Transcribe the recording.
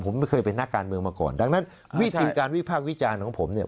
ผมไม่เคยเป็นนักการเมืองมาก่อนดังนั้นวิธีการวิพากษ์วิจารณ์ของผมเนี่ย